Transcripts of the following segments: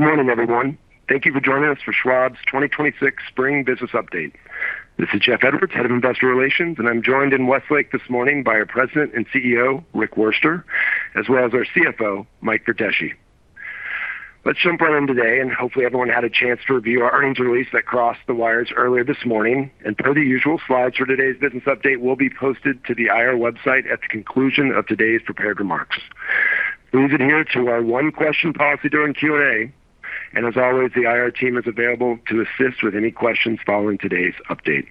Good morning, everyone. Thank you for joining us for Schwab's 2026 Spring Business Update. This is Jeff Edwards, Head of Investor Relations, and I'm joined in Westlake this morning by our President and CEO, Rick Wurster, as well as our CFO, Mike Verdeschi. Let's jump right in today, and hopefully everyone had a chance to review our earnings release that crossed the wires earlier this morning. Per the usual, slides for today's business update will be posted to the IR website at the conclusion of today's prepared remarks. We adhere to our one-question policy during Q&A, and as always, the IR team is available to assist with any questions following today's update.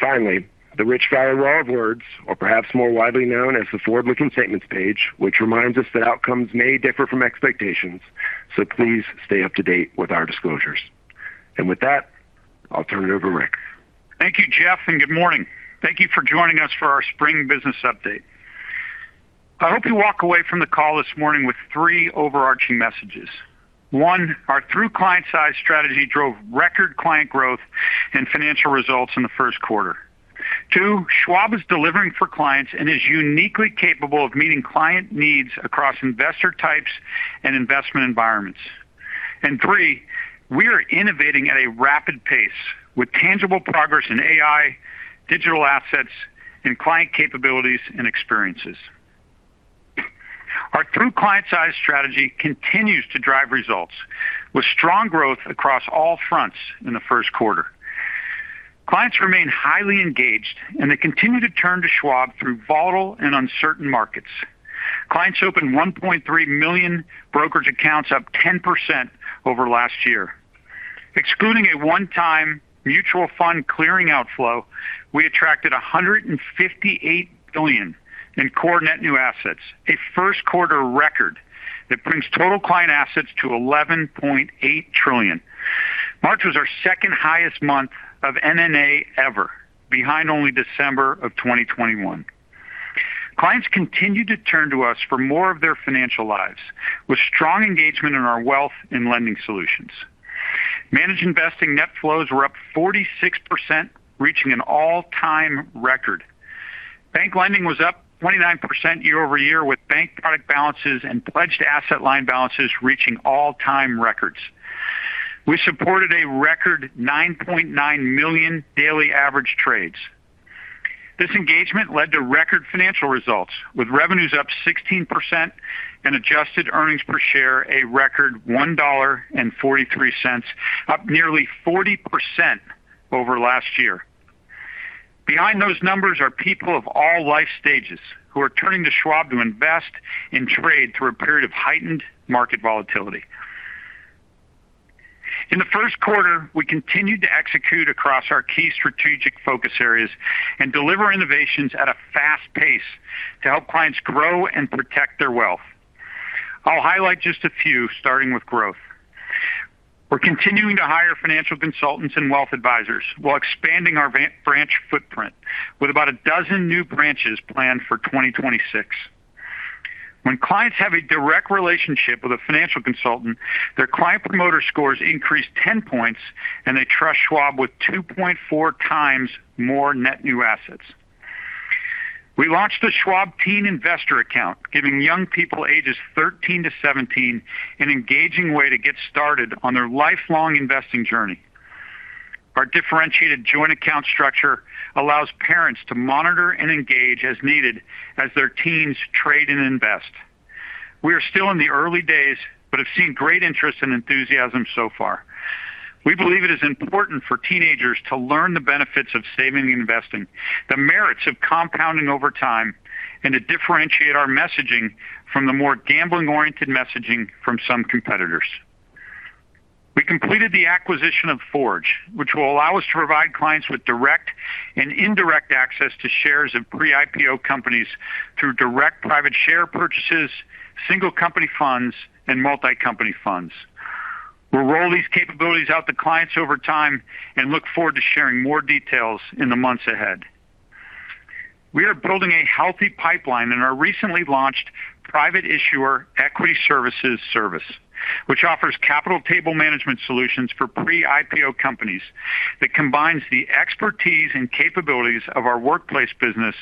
Finally, the obligatory wall of words, or perhaps more widely known as the forward-looking statements page, which reminds us that outcomes may differ from expectations, so please stay up to date with our disclosures. With that, I'll turn it over to Rick. Thank you, Jeff, and good morning. Thank you for joining us for our spring business update. I hope you walk away from the call this morning with three overarching messages. One, our Through Clients' Eyes strategy drove record client growth and financial results in the Q1. Two, Schwab is delivering for clients and is uniquely capable of meeting client needs across investor types and investment environments. Three, we are innovating at a rapid pace with tangible progress in AI, digital assets, and client capabilities and experiences. Our Through Clients' Eyes strategy continues to drive results with strong growth across all fronts in the Q1. Clients remain highly engaged, and they continue to turn to Schwab through volatile and uncertain markets. Clients opened 1.3 million brokerage accounts, up 10% over last year. Excluding a one-time mutual fund clearing outflow, we attracted $158 billion in core net new assets, a first-quarter record that brings total client assets to $11.8 trillion. March was our second highest month of NNA ever, behind only December of 2021. Clients continue to turn to us for more of their financial lives, with strong engagement in our wealth and lending solutions. Managed investing net flows were up 46%, reaching an all-time record. Bank lending was up 29% year-over-year, with bank product balances and Pledged Asset Line balances reaching all-time records. We supported a record 9.9 million daily average trades. This engagement led to record financial results, with revenues up 16% and adjusted earnings per share a record $1.43, up nearly 40% over last year. Behind those numbers are people of all life stages who are turning to Schwab to invest and trade through a period of heightened market volatility. In the Q1, we continued to execute across our key strategic focus areas and deliver innovations at a fast pace to help clients grow and protect their wealth. I'll highlight just a few, starting with growth. We're continuing to hire financial consultants and wealth advisors while expanding our branch footprint with about a dozen new branches planned for 2026. When clients have a direct relationship with a financial consultant, their Client Promoter Scores increase 10 points and they trust Schwab with 2.4 times more net new assets. We launched the Schwab Teen Investor account, giving young people ages 13 to 17 an engaging way to get started on their lifelong investing journey. Our differentiated joint account structure allows parents to monitor and engage as needed as their teens trade and invest. We are still in the early days but have seen great interest and enthusiasm so far. We believe it is important for teenagers to learn the benefits of saving and investing, the merits of compounding over time, and to differentiate our messaging from the more gambling-oriented messaging from some competitors. We completed the acquisition of Forge, which will allow us to provide clients with direct and indirect access to shares of pre-IPO companies through direct private share purchases, single company funds, and multi-company funds. We'll roll these capabilities out to clients over time and look forward to sharing more details in the months ahead. We are building a healthy pipeline in our recently launched Private Issuer Equity Services, which offers capital table management solutions for pre-IPO companies that combines the expertise and capabilities of our workplace business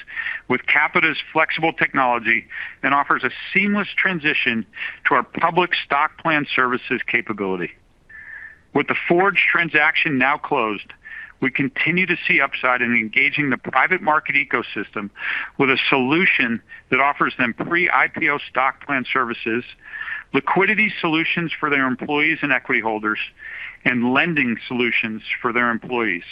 with Qapita's flexible technology and offers a seamless transition to our public stock plan services capability. With the Forge transaction now closed, we continue to see upside in engaging the private market ecosystem with a solution that offers them pre-IPO stock plan services, liquidity solutions for their employees and equity holders, and lending solutions for their employees.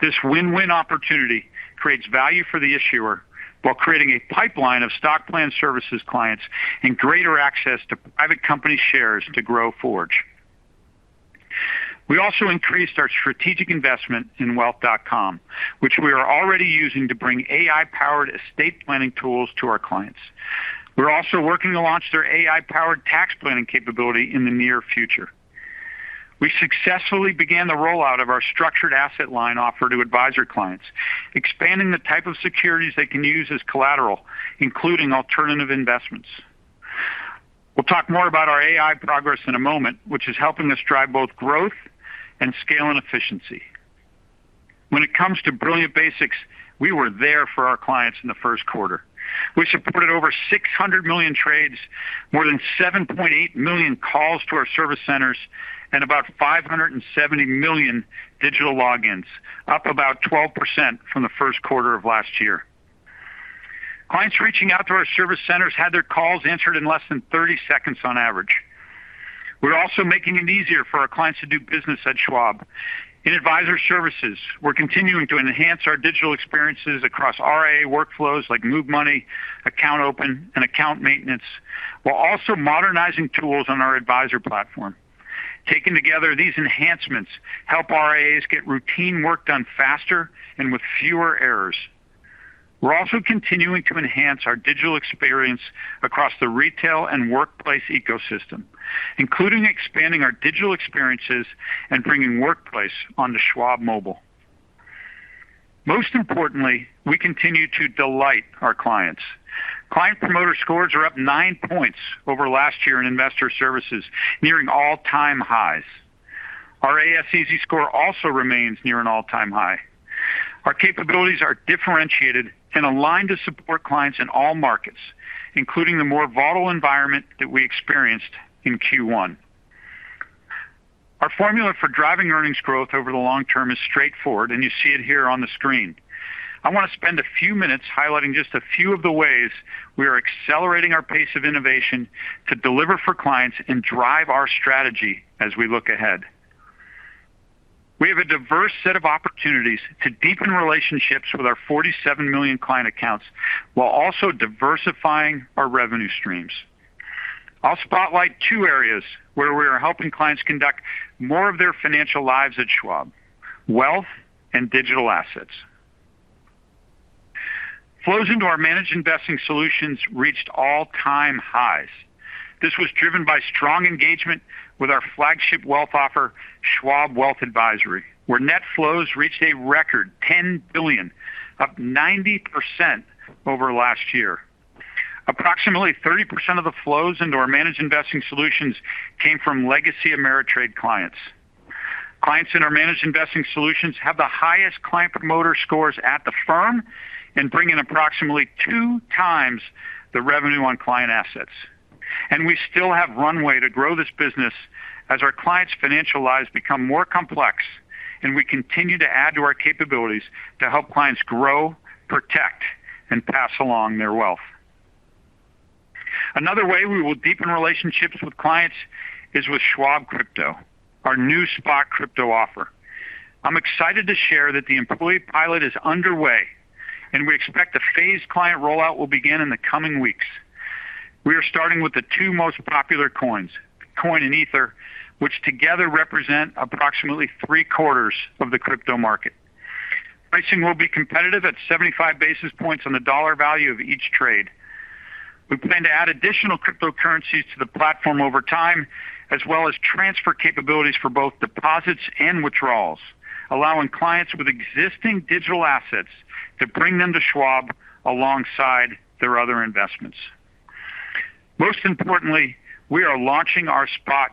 This win-win opportunity creates value for the issuer while creating a pipeline of stock plan services clients and greater access to private company shares to grow Forge. We also increased our strategic investment in wealth.com, which we are already using to bring AI-powered estate planning tools to our clients. We're also working to launch their AI-powered tax planning capability in the near future. We successfully began the rollout of our Pledged Asset Line offering to advisor clients, expanding the type of securities they can use as collateral, including alternative investments. We'll talk more about our AI progress in a moment, which is helping us drive both growth and scale and efficiency. When it comes to brilliant basics, we were there for our clients in the Q1. We supported over 600 million trades, more than 7.8 million calls to our service centers, and about 570 million digital logins, up about 12% from the Q1 of last year. Clients reaching out to our service centers had their calls answered in less than 30 seconds on average. We're also making it easier for our clients to do business at Schwab. In advisor services, we're continuing to enhance our digital experiences across RIA workflows like move money, account open, and account maintenance, while also modernizing tools on our advisor platform. Taken together, these enhancements help RIAs get routine work done faster and with fewer errors. We're also continuing to enhance our digital experience across the retail and workplace ecosystem, including expanding our digital experiences and bringing workplace onto Schwab Mobile. Most importantly, we continue to delight our clients. Client Promoter Scores are up nine points over last year in investor services, nearing all-time highs. Our AS&E score also remains near an all-time high. Our capabilities are differentiated and aligned to support clients in all markets, including the more volatile environment that we experienced in Q1. Our formula for driving earnings growth over the long term is straightforward, and you see it here on the screen. I want to spend a few minutes highlighting just a few of the ways we are accelerating our pace of innovation to deliver for clients and drive our strategy as we look ahead. We have a diverse set of opportunities to deepen relationships with our 47 million client accounts while also diversifying our revenue streams. I'll spotlight two areas where we are helping clients conduct more of their financial lives at Schwab, wealth and digital assets. Flows into our managed investing solutions reached all-time highs. This was driven by strong engagement with our flagship wealth offer, Schwab Wealth Advisory, where net flows reached a record $10 billion, up 90% over last year. Approximately 30% of the flows into our managed investing solutions came from legacy Ameritrade clients. Clients in our managed investing solutions have the highest client promoter scores at the firm and bring in approximately two times the revenue on client assets. We still have runway to grow this business as our clients' financial lives become more complex and we continue to add to our capabilities to help clients grow, protect, and pass along their wealth. Another way we will deepen relationships with clients is with Schwab Crypto, our new spot crypto offer. I'm excited to share that the employee pilot is underway and we expect a phased client rollout will begin in the coming weeks. We are starting with the two most popular coins, Bitcoin and Ether, which together represent approximately three-quarters of the crypto market. Pricing will be competitive at 75 basis points on the dollar value of each trade. We plan to add additional cryptocurrencies to the platform over time, as well as transfer capabilities for both deposits and withdrawals, allowing clients with existing digital assets to bring them to Schwab alongside their other investments. Most importantly, we are launching our spot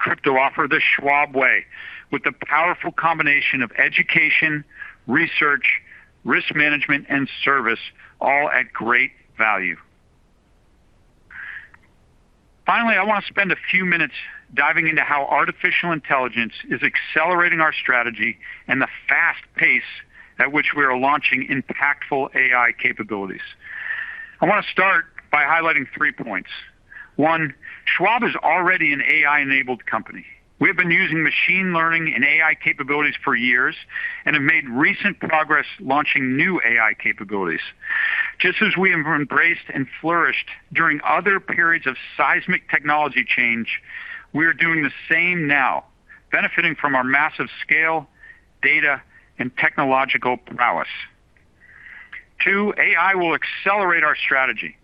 crypto offer the Schwab way, with the powerful combination of education, research, risk management, and service, all at great value. Finally, I want to spend a few minutes diving into how artificial intelligence is accelerating our strategy and the fast pace at which we are launching impactful AI capabilities. I want to start by highlighting three points. One, Schwab is already an AI-enabled company. We have been using machine learning and AI capabilities for years and have made recent progress launching new AI capabilities. Just as we have embraced and flourished during other periods of seismic technology change, we are doing the same now, benefiting from our massive scale, data, and technological prowess. Two, AI will accelerate our strategy.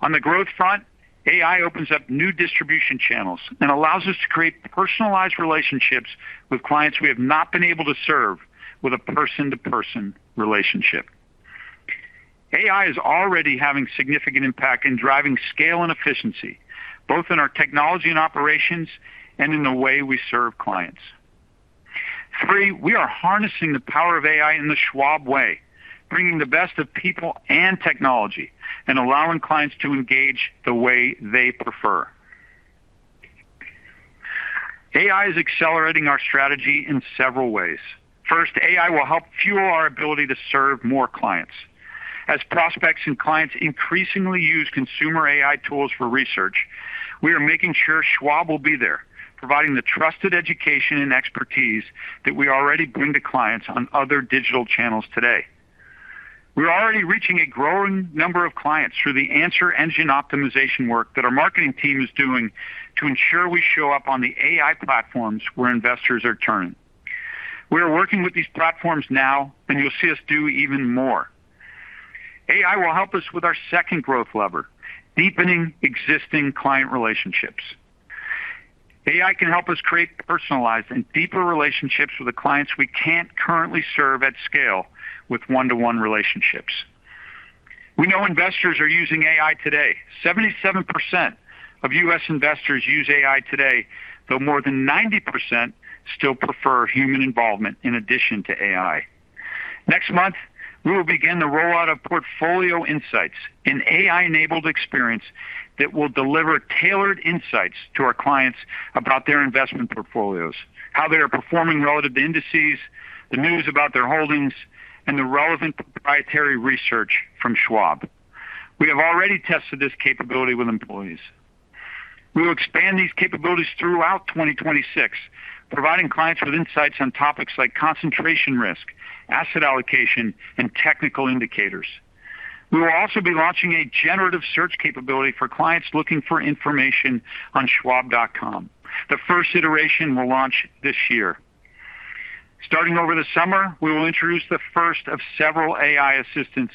On the growth front, AI opens up new distribution channels and allows us to create personalized relationships with clients we have not been able to serve with a person-to-person relationship. AI is already having significant impact in driving scale and efficiency, both in our technology and operations and in the way we serve clients. Three, we are harnessing the power of AI in the Schwab way, bringing the best of people and technology and allowing clients to engage the way they prefer. AI is accelerating our strategy in several ways. First, AI will help fuel our ability to serve more clients. As prospects and clients increasingly use consumer AI tools for research, we are making sure Schwab will be there, providing the trusted education and expertise that we already bring to clients on other digital channels today. We are already reaching a growing number of clients through the Answer Engine Optimization work that our marketing team is doing to ensure we show up on the AI platforms where investors are turning. We are working with these platforms now, and you'll see us do even more. AI will help us with our second growth lever, deepening existing client relationships. AI can help us create personalized and deeper relationships with the clients we can't currently serve at scale with one-to-one relationships. We know investors are using AI today. 77% of U.S. investors use AI today, though more than 90% still prefer human involvement in addition to AI. Next month, we will begin the rollout of Portfolio Insights, an AI-enabled experience that will deliver tailored insights to our clients about their investment portfolios, how they are performing relative to indices, the news about their holdings, and the relevant proprietary research from Schwab. We have already tested this capability with employees. We will expand these capabilities throughout 2026, providing clients with insights on topics like concentration risk, asset allocation, and technical indicators. We will also be launching a generative search capability for clients looking for information on schwab.com. The first iteration will launch this year. Starting over the summer, we will introduce the first of several AI assistants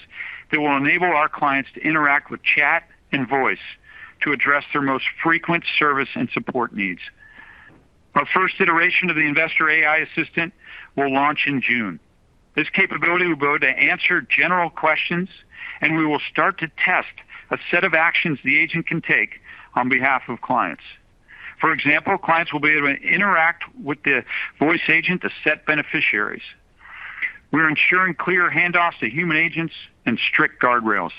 that will enable our clients to interact with chat and voice to address their most frequent service and support needs. Our first iteration of the Investor AI Assistant will launch in June. This capability will be able to answer general questions, and we will start to test a set of actions the agent can take on behalf of clients. For example, clients will be able to interact with the voice agent to set beneficiaries. We're ensuring clear handoffs to human agents and strict guardrails.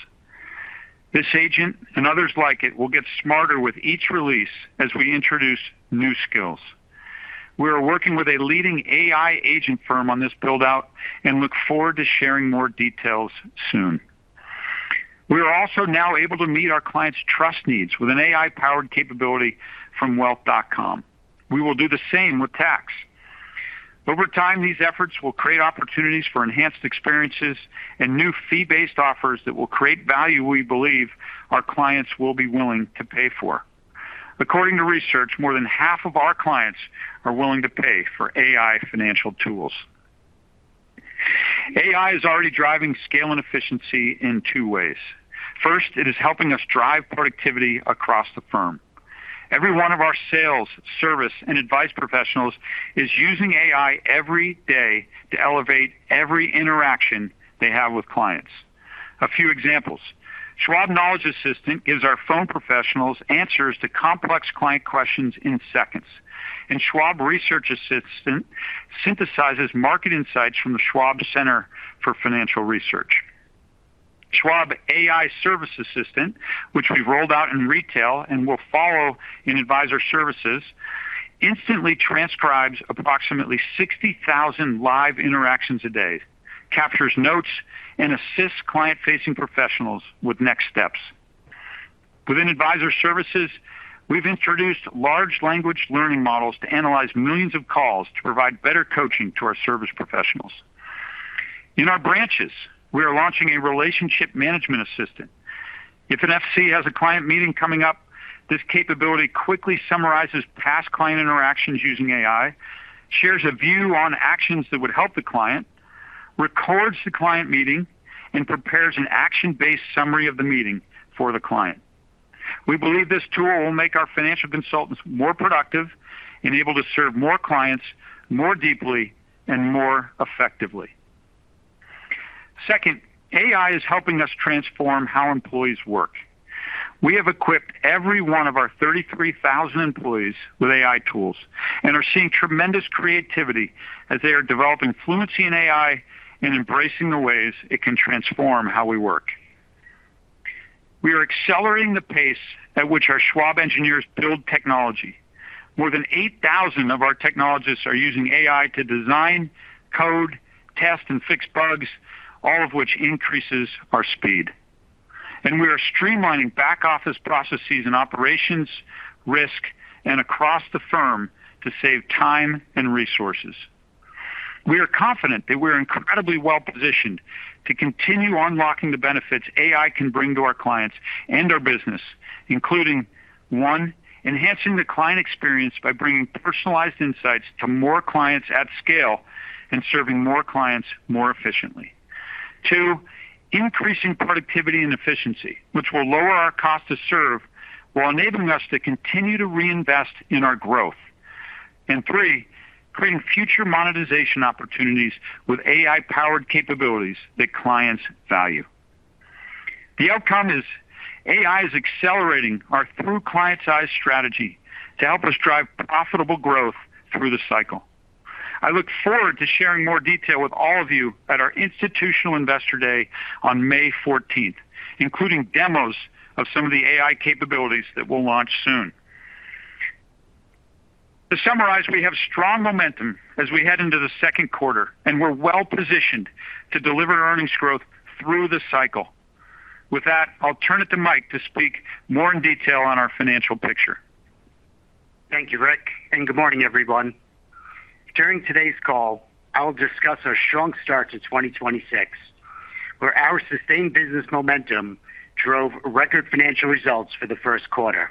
This agent and others like it will get smarter with each release as we introduce new skills. We are working with a leading AI agent firm on this build-out and look forward to sharing more details soon. We are also now able to meet our clients' trust needs with an AI-powered capability from Wealth.com. We will do the same with tax. Over time, these efforts will create opportunities for enhanced experiences and new fee-based offers that will create value we believe our clients will be willing to pay for. According to research, more than half of our clients are willing to pay for AI financial tools. AI is already driving scale and efficiency in two ways. First, it is helping us drive productivity across the firm. Every one of our sales, service, and advice professionals is using AI every day to elevate every interaction they have with clients. A few examples. Schwab Knowledge Assistant gives our phone professionals answers to complex client questions in seconds, and Schwab Research Assistant synthesizes market insights from the Schwab Center for Financial Research. Schwab AI Service Assistant, which we've rolled out in retail and will follow in Advisor Services, instantly transcribes approximately 60,000 live interactions a day, captures notes, and assists client-facing professionals with next steps. Within Advisor Services, we've introduced large language models to analyze millions of calls to provide better coaching to our service professionals. In our branches, we are launching a relationship management assistant. If an FC has a client meeting coming up, this capability quickly summarizes past client interactions using AI, shares a view on actions that would help the client, records the client meeting, and prepares an action-based summary of the meeting for the client. We believe this tool will make our financial consultants more productive and able to serve more clients more deeply and more effectively. Second, AI is helping us transform how employees work. We have equipped every one of our 33,000 employees with AI tools and are seeing tremendous creativity as they are developing fluency in AI and embracing the ways it can transform how we work. We are accelerating the pace at which our Schwab engineers build technology. More than 8,000 of our technologists are using AI to design, code, test, and fix bugs, all of which increases our speed. We are streamlining back-office processes and operations risk and across the firm to save time and resources. We are confident that we're incredibly well-positioned to continue unlocking the benefits AI can bring to our clients and our business, including, one, enhancing the client experience by bringing personalized insights to more clients at scale and serving more clients more efficiently. Two, increasing productivity and efficiency, which will lower our cost to serve while enabling us to continue to reinvest in our growth. Three, creating future monetization opportunities with AI-powered capabilities that clients value. The outcome is AI is accelerating our through-client size strategy to help us drive profitable growth through the cycle. I look forward to sharing more detail with all of you at our Institutional Investor Day on May 14th, including demos of some of the AI capabilities that we'll launch soon. To summarize, we have strong momentum as we head into the Q2, and we're well-positioned to deliver earnings growth through the cycle. With that, I'll turn it to Mike to speak more in detail on our financial picture. Thank you, Rick, and good morning, everyone. During today's call, I will discuss our strong start to 2026, where our sustained business momentum drove record financial results for the Q1.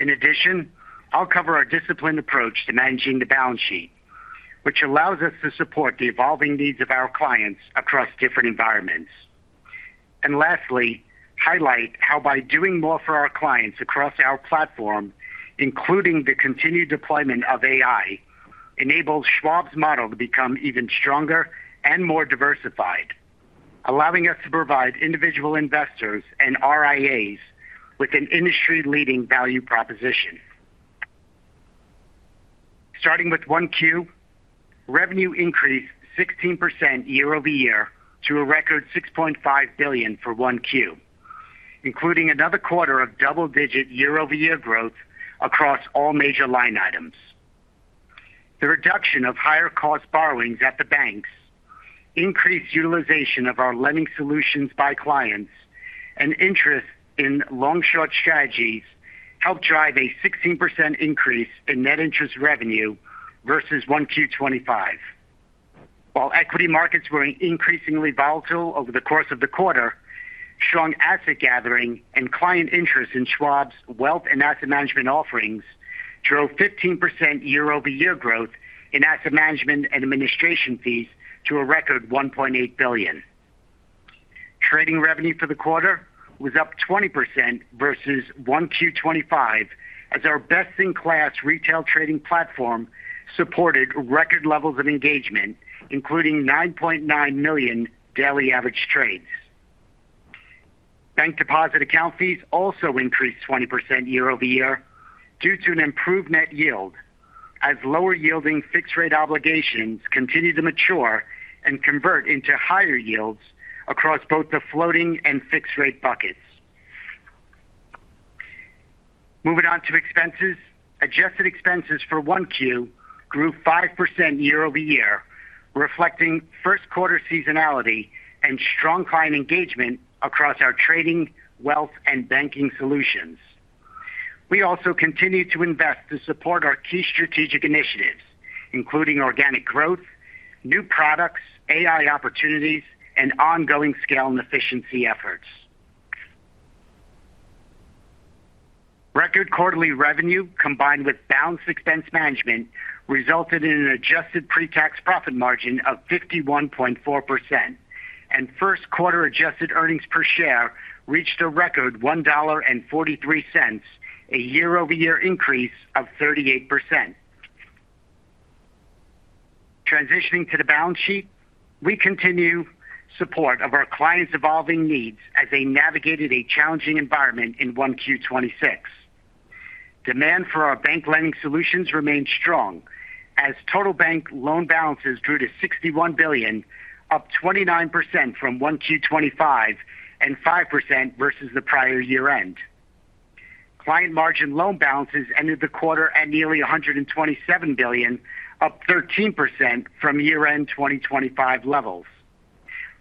In addition, I'll cover our disciplined approach to managing the balance sheet, which allows us to support the evolving needs of our clients across different environments. Lastly, I'll highlight how by doing more for our clients across our platform, including the continued deployment of AI, enables Schwab's model to become even stronger and more diversified, allowing us to provide individual investors and RIAs with an industry-leading value proposition. Starting with Q1, revenue increased 16% year-over-year to a record $6.5 billion for Q1, including another quarter of double-digit year-over-year growth across all major line items. The reduction of higher cost borrowings at the banks, increased utilization of our lending solutions by clients, and interest in long-short strategies helped drive a 16% increase in net interest revenue versus Q1 2025. While equity markets were increasingly volatile over the course of the quarter, strong asset gathering and client interest in Schwab's wealth and asset management offerings drove 15% year-over-year growth in asset management and administration fees to a record $1.8 billion. Trading revenue for the quarter was up 20% versus Q1 2025 as our best-in-class retail trading platform supported record levels of engagement, including 9.9 million daily average trades. Bank deposit account fees also increased 20% year-over-year due to an improved net yield as lower yielding fixed rate obligations continue to mature and convert into higher yields across both the floating and fixed rate buckets. Moving on to expenses. Adjusted expenses for Q1 grew 5% year-over-year, reflecting Q1 seasonality and strong client engagement across our trading, wealth, and banking solutions. We also continue to invest to support our key strategic initiatives, including organic growth, new products, AI opportunities, and ongoing scale and efficiency efforts. Record quarterly revenue, combined with balanced expense management, resulted in an adjusted pre-tax profit margin of 51.4%, and Q1 adjusted earnings per share reached a record $1.43, a year-over-year increase of 38%. Transitioning to the balance sheet, we continued to support our clients' evolving needs as they navigated a challenging environment in Q1 2026. Demand for our bank lending solutions remained strong as total bank loan balances grew to $61 billion, up 29% from Q1 2025 and 5% versus the prior year end. Client margin loan balances ended the quarter at nearly $127 billion, up 13% from year-end 2025 levels,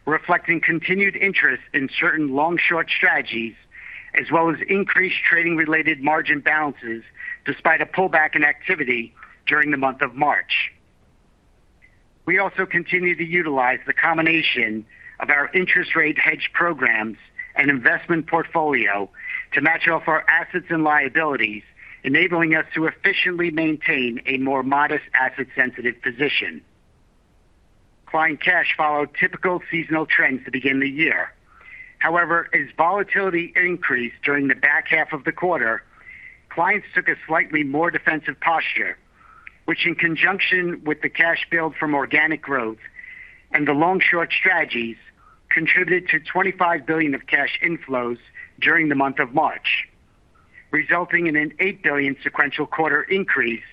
reflecting continued interest in certain long-short strategies as well as increased trading-related margin balances despite a pullback in activity during the month of March. We also continue to utilize the combination of our interest rate hedge programs and investment portfolio to match off our assets and liabilities, enabling us to efficiently maintain a more modest asset-sensitive position. Client cash followed typical seasonal trends to begin the year. However, as volatility increased during the back half of the quarter, clients took a slightly more defensive posture, which in conjunction with the cash build from organic growth and the long-short strategies contributed to $25 billion of cash inflows during the month of March, resulting in an $8 billion sequential quarter increase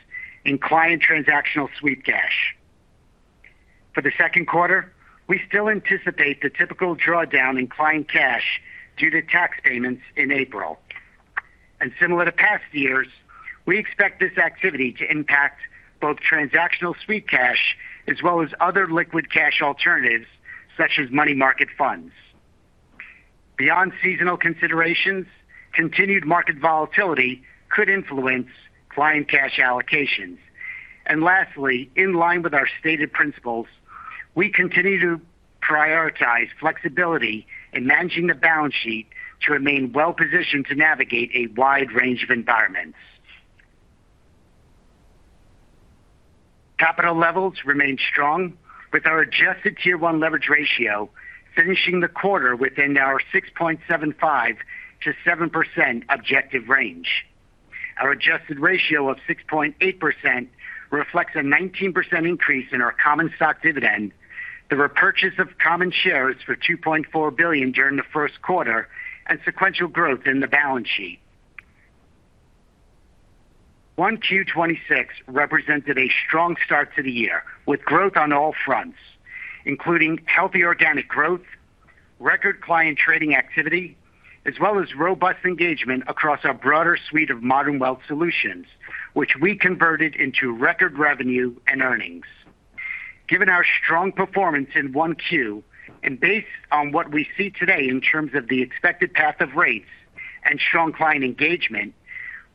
in client transactional sweep cash. For the Q2, we still anticipate the typical drawdown in client cash due to tax payments in April. Similar to past years, we expect this activity to impact both transactional sweep cash as well as other liquid cash alternatives such as money market funds. Beyond seasonal considerations, continued market volatility could influence client cash allocations. Lastly, in line with our stated principles, we continue to prioritize flexibility in managing the balance sheet to remain well-positioned to navigate a wide range of environments. Capital levels remain strong with our Adjusted Tier-One Leverage Ratio finishing the quarter within our 6.75%-7% objective range. Our adjusted ratio of 6.8% reflects a 19% increase in our common stock dividend, the repurchase of common shares for $2.4 billion during the Q1 and sequential growth in the balance sheet. Q1 2026 represented a strong start to the year, with growth on all fronts, including healthy organic growth, record client trading activity, as well as robust engagement across our broader suite of modern wealth solutions, which we converted into record revenue and earnings. Given our strong performance in Q1 and based on what we see today in terms of the expected path of rates and strong client engagement,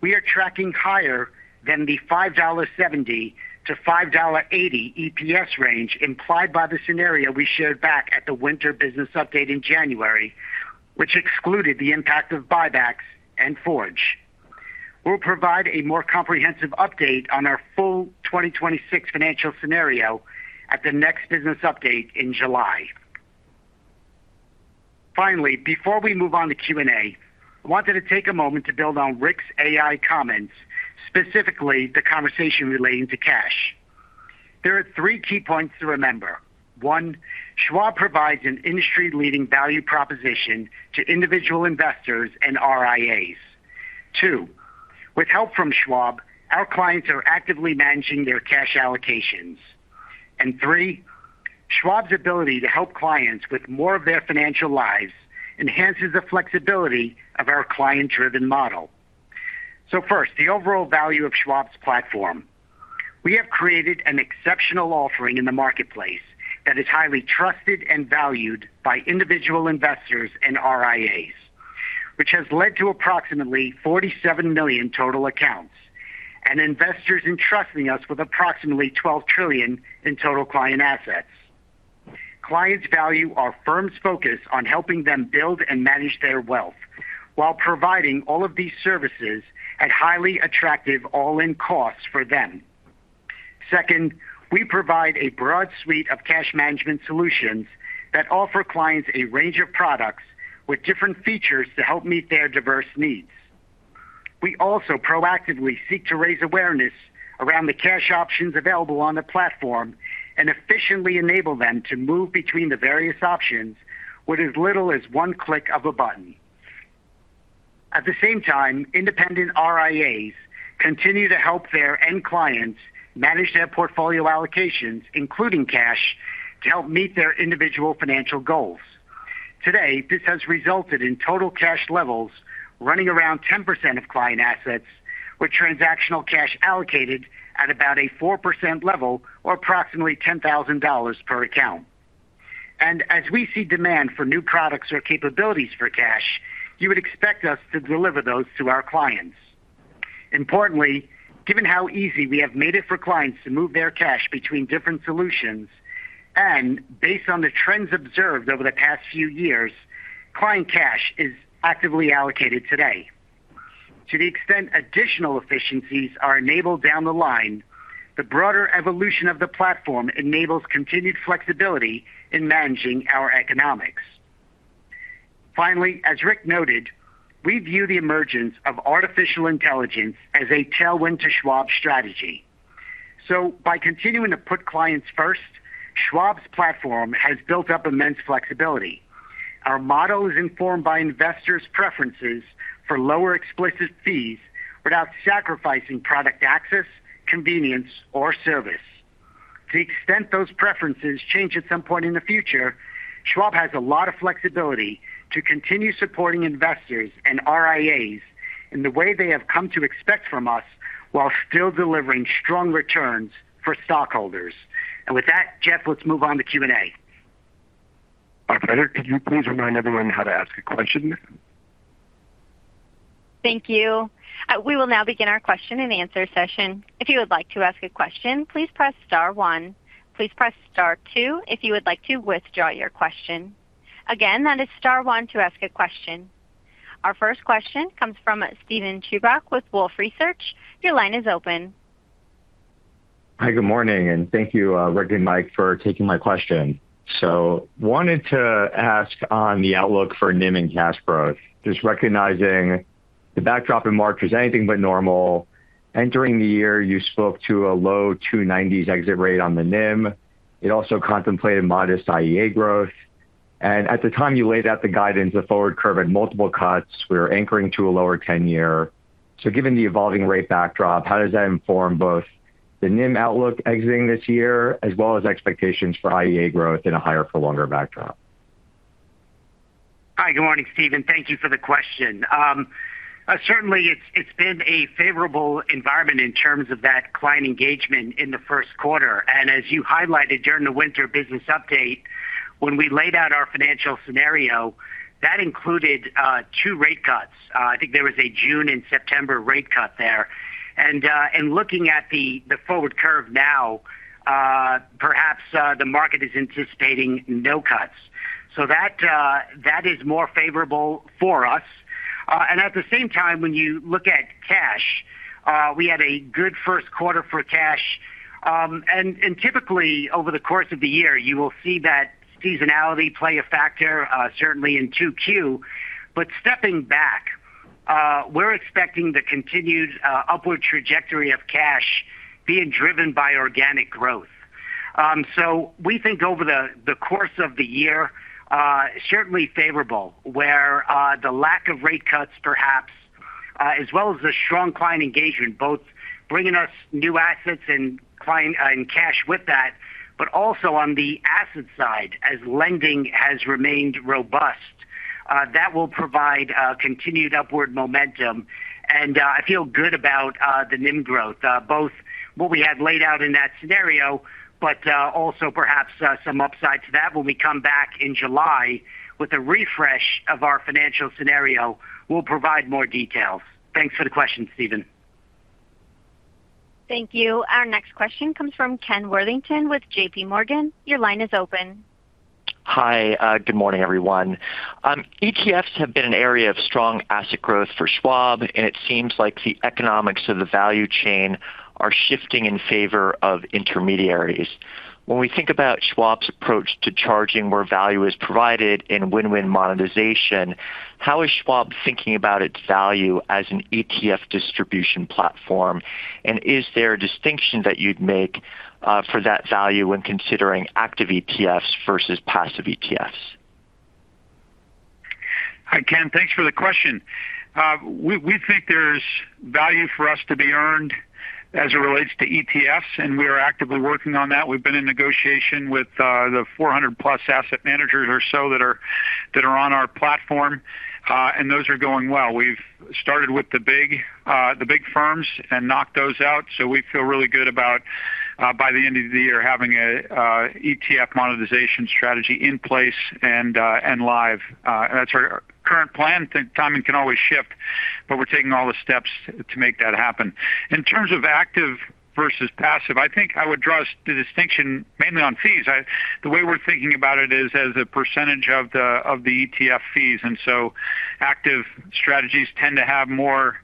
we are tracking higher than the $5.70-$5.80 EPS range implied by the scenario we shared back at the winter business update in January, which excluded the impact of buybacks and Forge. We'll provide a more comprehensive update on our full 2026 financial scenario at the next business update in July. Finally, before we move on to Q&A, I wanted to take a moment to build on Rick's AI comments, specifically the conversation relating to cash. There are three key points to remember. One, Schwab provides an industry-leading value proposition to individual investors and RIAs. Two, with help from Schwab, our clients are actively managing their cash allocations. And three, Schwab's ability to help clients with more of their financial lives enhances the flexibility of our client-driven model. First, the overall value of Schwab's platform. We have created an exceptional offering in the marketplace that is highly trusted and valued by individual investors and RIAs, which has led to approximately 47 million total accounts and investors entrusting us with approximately $12 trillion in total client assets. Clients value our firm's focus on helping them build and manage their wealth while providing all of these services at highly attractive all-in costs for them. Second, we provide a broad suite of cash management solutions that offer clients a range of products with different features to help meet their diverse needs. We also proactively seek to raise awareness around the cash options available on the platform and efficiently enable them to move between the various options with as little as one click of a button. At the same time, independent RIAs continue to help their end clients manage their portfolio allocations, including cash, to help meet their individual financial goals. Today, this has resulted in total cash levels running around 10% of client assets, with transactional cash allocated at about a 4% level or approximately $10,000 per account. As we see demand for new products or capabilities for cash, you would expect us to deliver those to our clients. Importantly, given how easy we have made it for clients to move their cash between different solutions and based on the trends observed over the past few years, client cash is actively allocated today. To the extent additional efficiencies are enabled down the line, the broader evolution of the platform enables continued flexibility in managing our economics. Finally, as Rick noted, we view the emergence of artificial intelligence as a tailwind to Schwab's strategy. By continuing to put clients first, Schwab's platform has built up immense flexibility. Our model is informed by investors' preferences for lower explicit fees without sacrificing product access, convenience, or service. To the extent those preferences change at some point in the future, Schwab has a lot of flexibility to continue supporting investors and RIAs in the way they have come to expect from us, while still delivering strong returns for stockholders. With that, Jeff, let's move on to Q&A. Operator, could you please remind everyone how to ask a question? Thank you. We will now begin our question and answer session. If you would like to ask a question, please press star one. Please press star two if you would like to withdraw your question. Again, that is star one to ask a question. Our first question comes from Steven Chubak with Wolfe Research. Your line is open. Hi, good morning, and thank you, Rick and Mike, for taking my question. Wanted to ask on the outlook for NIM and cash growth, just recognizing the backdrop in March was anything but normal. Entering the year, you spoke to a low 290s exit rate on the NIM. It also contemplated modest IEA growth. At the time you laid out the guidance, the forward curve at multiple cuts, we were anchoring to a lower 10-year. Given the evolving rate backdrop, how does that inform both the NIM outlook exiting this year as well as expectations for IEA growth in a higher for longer backdrop? Hi. Good morning, Steven. Thank you for the question. Certainly, it's been a favorable environment in terms of that client engagement in the Q1. As you highlighted during the winter business update, when we laid out our financial scenario, that included 2 rate cuts. I think there was a June and September rate cut there. Looking at the forward curve now, perhaps the market is anticipating no cuts. That is more favorable for us. At the same time, when you look at cash, we had a good Q1 for cash. Typically, over the course of the year, you will see that seasonality play a factor, certainly in Q2. Stepping back, we're expecting the continued upward trajectory of cash being driven by organic growth. We think over the course of the year, certainly favorable, where the lack of rate cuts perhaps, as well as the strong client engagement, both bringing us new assets and cash with that, but also on the asset side, as lending has remained robust. That will provide continued upward momentum. I feel good about the NIM growth, both what we had laid out in that scenario, but also perhaps some upside to that when we come back in July with a refresh of our financial scenario. We'll provide more details. Thanks for the question, Steven. Thank you. Our next question comes from Ken Worthington with JPMorgan. Your line is open. Hi. Good morning, everyone. ETFs have been an area of strong asset growth for Schwab, and it seems like the economics of the value chain are shifting in favor of intermediaries. When we think about Schwab's approach to charging where value is provided and win-win monetization, how is Schwab thinking about its value as an ETF distribution platform? Is there a distinction that you'd make for that value when considering active ETFs versus passive ETFs? Hi, Ken. Thanks for the question. We think there's value for us to be earned as it relates to ETFs, and we are actively working on that. We've been in negotiation with the 400+ asset managers or so that are on our platform. Those are going well. We've started with the big firms and knocked those out, so we feel really good about by the end of the year having a ETF monetization strategy in place and live. That's our current plan. Timing can always shift, but we're taking all the steps to make that happen. In terms of active versus passive, I think I would draw the distinction mainly on fees. The way we're thinking about it is as a percentage of the ETF fees, and so active strategies tend to have more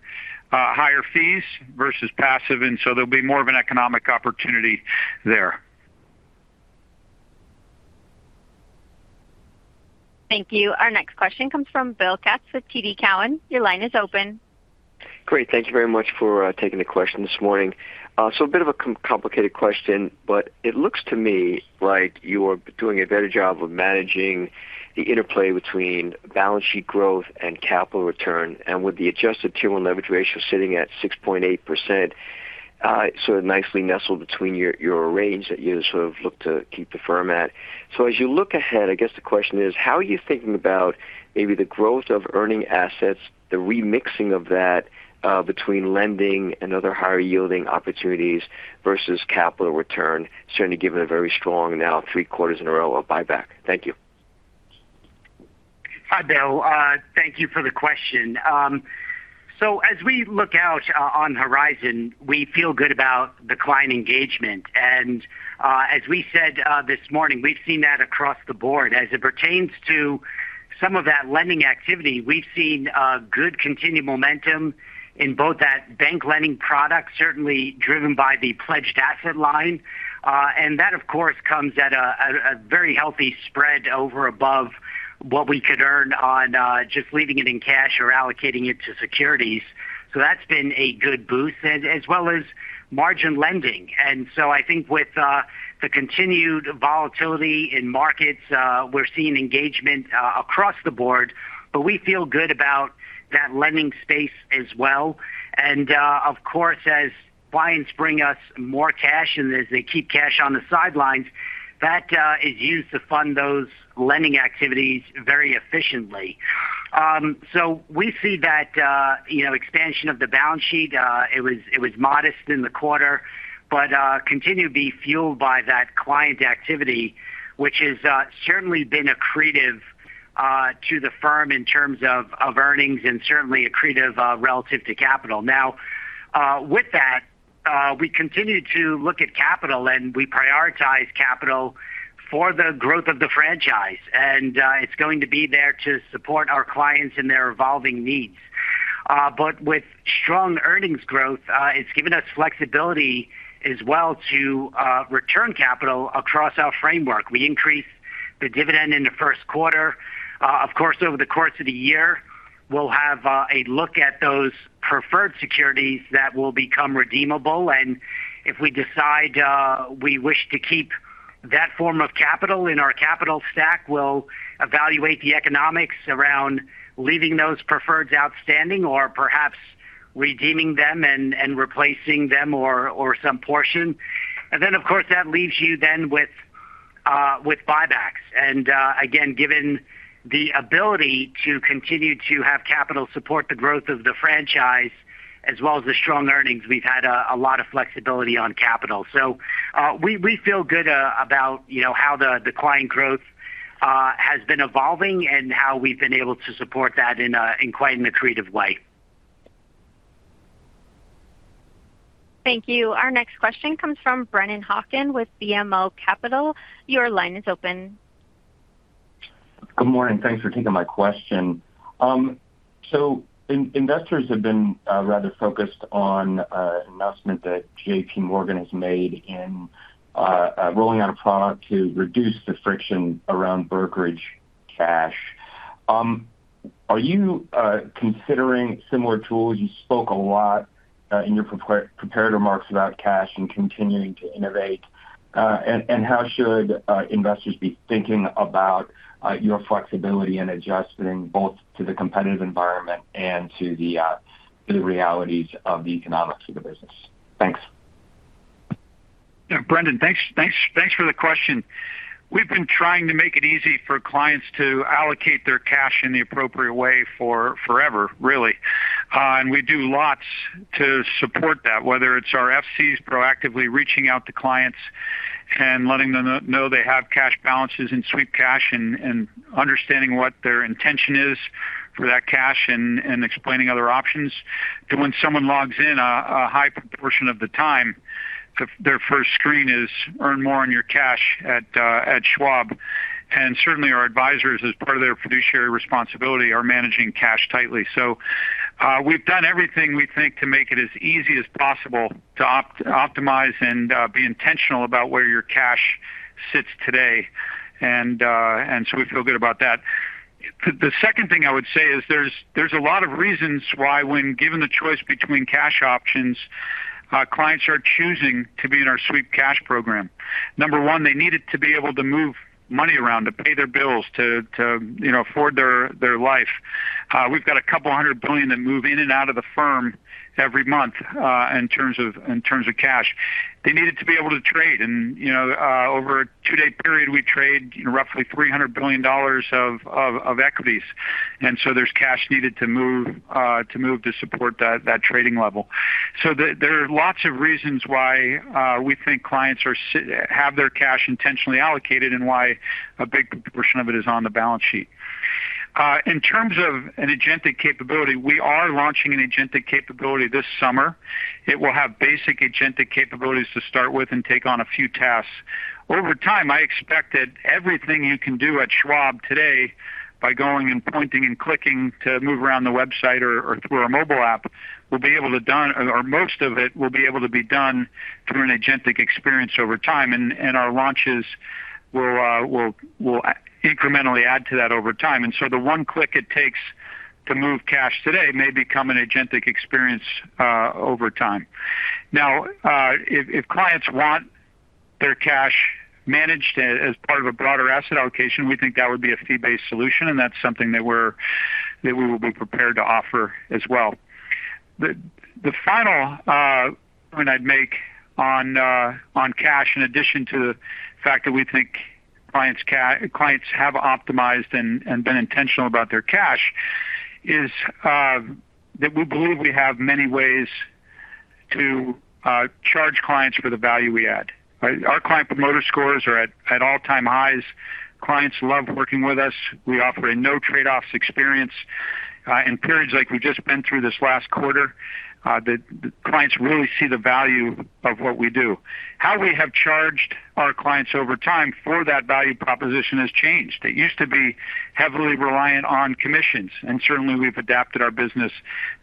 higher fees versus passive, and so there'll be more of an economic opportunity there. Thank you. Our next question comes from Bill Katz with TD Cowen. Your line is open. Great. Thank you very much for taking the question this morning. A bit of a complicated question, but it looks to me like you are doing a better job of managing the interplay between balance sheet growth and capital return. With the Adjusted Tier-One Leverage Ratio sitting at 6.8%, sort of nicely nestled between your range that you sort of look to keep the firm at. As you look ahead, I guess the question is, how are you thinking about maybe the growth of earning assets, the remixing of that between lending and other higher-yielding opportunities versus capital return, certainly given a very strong now three quarters in a row of buyback? Thank you. Hi, Bill. Thank you for the question. As we look out on the horizon, we feel good about the client engagement. As we said this morning, we've seen that across the board. As it pertains to some of that lending activity, we've seen good continued momentum in both that bank lending product certainly driven by the Pledged Asset Line. That of course, comes at a very healthy spread over above what we could earn on just leaving it in cash or allocating it to securities. That's been a good boost as well as margin lending. I think with the continued volatility in markets, we're seeing engagement across the board, but we feel good about that lending space as well. Of course, as clients bring us more cash and as they keep cash on the sidelines, that is used to fund those lending activities very efficiently. We see that expansion of the balance sheet, it was modest in the quarter, but continue to be fueled by that client activity, which has certainly been accretive to the firm in terms of earnings and certainly accretive relative to capital. Now, with that, we continue to look at capital, and we prioritize capital for the growth of the franchise. It's going to be there to support our clients and their evolving needs. With strong earnings growth, it's given us flexibility as well to return capital across our framework. We increased the dividend in the Q1. Of course, over the course of the year, we'll have a look at those preferred securities that will become redeemable. If we decide we wish to keep that form of capital in our capital stack, we'll evaluate the economics around leaving those preferred outstanding or perhaps redeeming them and replacing them or some portion. Of course, that leaves you then with buybacks. Again, given the ability to continue to have capital support the growth of the franchise as well as the strong earnings, we've had a lot of flexibility on capital. We feel good about how the client growth has been evolving and how we've been able to support that in quite an accretive way. Thank you. Our next question comes from Brennan Hawken with BMO Capital Markets. Your line is open. Good morning. Thanks for taking my question. Investors have been rather focused on an announcement that JPMorgan has made in rolling out a product to reduce the friction around brokerage cash. Are you considering similar tools? You spoke a lot in your prepared remarks about cash and continuing to innovate. How should investors be thinking about your flexibility in adjusting both to the competitive environment and to the realities of the economics of the business? Thanks. Yeah. Brennan, thanks for the question. We've been trying to make it easy for clients to allocate their cash in the appropriate way for forever, really. We do lots to support that, whether it's our FCs proactively reaching out to clients. Letting them know they have cash balances in Sweep Cash and understanding what their intention is for that cash and explaining other options. When someone logs in, a high proportion of the time, their first screen is, "Earn more on your cash at Schwab." Certainly, our advisors, as part of their fiduciary responsibility, are managing cash tightly. We've done everything we think to make it as easy as possible to optimize and be intentional about where your cash sits today. We feel good about that. The second thing I would say is there's a lot of reasons why when given the choice between cash options, clients are choosing to be in our Sweep Cash program. Number one, they needed to be able to move money around, to pay their bills, to afford their life. We've got a couple hundred billion that move in and out of the firm every month in terms of cash. They needed to be able to trade. Over a two-day period, we trade roughly $300 billion of equities. There's cash needed to move to support that trading level. There are lots of reasons why we think clients have their cash intentionally allocated and why a big proportion of it is on the balance sheet. In terms of an agentic capability, we are launching an agentic capability this summer. It will have basic agentic capabilities to start with and take on a few tasks. Over time, I expect that everything you can do at Schwab today by going and pointing and clicking to move around the website or through our mobile app, or most of it, will be able to be done through an agentic experience over time. Our launches will incrementally add to that over time. The one click it takes to move cash today may become an agentic experience over time. Now, if clients want their cash managed as part of a broader asset allocation, we think that would be a fee-based solution, and that's something that we will be prepared to offer as well. The final point I'd make on cash, in addition to the fact that we think clients have optimized and been intentional about their cash, is that we believe we have many ways to charge clients for the value we add, right? Our Client Promoter Scores are at all-time highs. Clients love working with us. We offer a no trade-offs experience. In periods like we've just been through this last quarter, the clients really see the value of what we do. How we have charged our clients over time for that value proposition has changed. It used to be heavily reliant on commissions, and certainly, we've adapted our business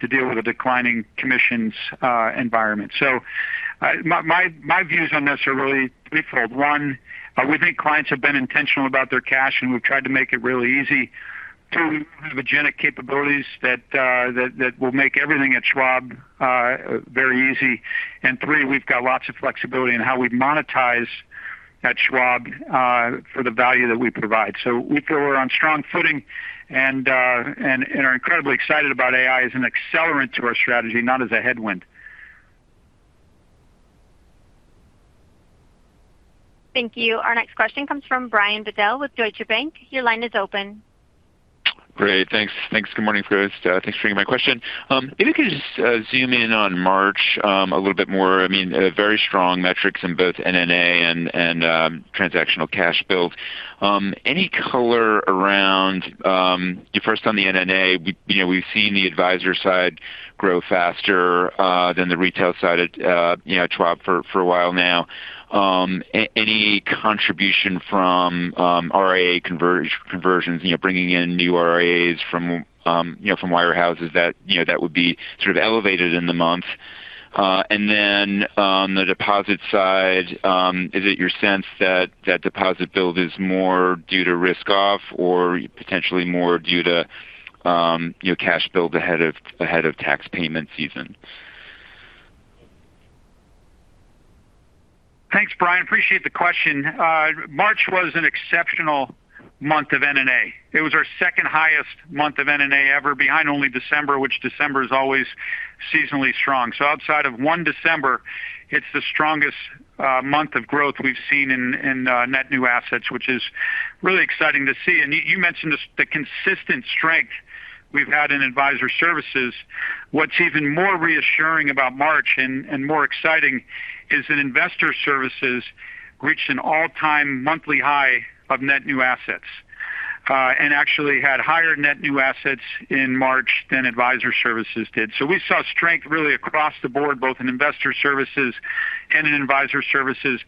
to deal with a declining commissions environment. My views on this are really threefold. One, we think clients have been intentional about their cash, and we've tried to make it really easy. Two, we have agentic capabilities that will make everything at Schwab very easy. Three, we've got lots of flexibility in how we monetize at Schwab for the value that we provide. We feel we're on strong footing and are incredibly excited about AI as an accelerant to our strategy, not as a headwind. Thank you. Our next question comes from Brian Bedell with Deutsche Bank. Your line is open. Great. Thanks. Good morning, folks. Thanks for taking my question. If you could just zoom in on March a little bit more. I mean, very strong metrics in both NNA and transactional cash build. Any color around, first on the NNA, we've seen the advisor side grow faster than the retail side at Schwab for a while now. Any contribution from RIA conversions, bringing in new RIAs from wirehouses that would be sort of elevated in the month? And then on the deposit side, is it your sense that that deposit build is more due to risk off or potentially more due to your cash build ahead of tax payment season? Thanks, Brian. Appreciate the question. March was an exceptional month of NNA. It was our second highest month of NNA ever, behind only December, which December is always seasonally strong. Outside of one December, it's the strongest month of growth we've seen in net new assets, which is really exciting to see. You mentioned the consistent strength we've had in Advisor Services. What's even more reassuring about March and more exciting is that Investor Services reached an all-time monthly high of net new assets and actually had higher net new assets in March than Advisor Services did. We saw strength really across the board, both in Investor Services and in Advisor Services.